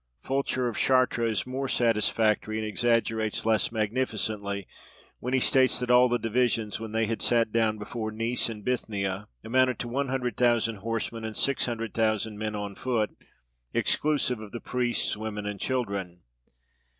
Fulcher of Chartres is more satisfactory, and exaggerates less magnificently, when he states, that all the divisions, when they had sat down before Nice in Bithynia, amounted to one hundred thousand horsemen, and six hundred thousand men on foot, exclusive of the priests, women, and children.